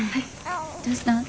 どうしたん？